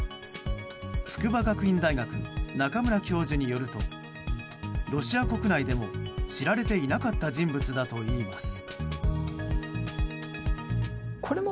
筑波学院大学、中村教授によるとロシア国内でも知られていなかった人物だといいます。